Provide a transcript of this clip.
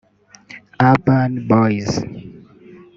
Urban Boys